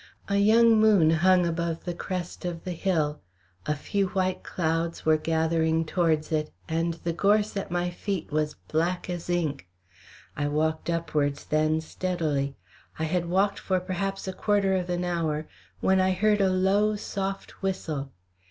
A young moon hung above the crest of the hill, a few white clouds were gathering towards it, and the gorse at my feet was black as ink. I walked upwards then steadily. I had walked for perhaps a quarter of an hour, when I heard a low, soft whistle.